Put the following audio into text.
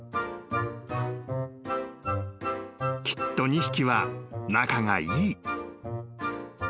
［きっと２匹は仲がいい］